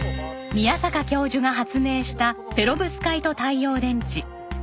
宮坂教授が発明したペロブスカイト太陽電池。